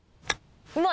うまい！